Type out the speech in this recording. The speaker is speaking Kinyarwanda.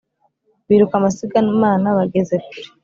biruka amasigamana bageze kure